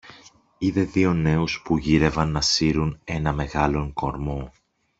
είδε δύο νέους που γύρευαν να σύρουν ένα μεγάλον κορμό